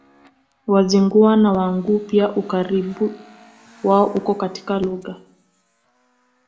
Wazigua na Wanguu pia Ukaribu wao uko katika lugha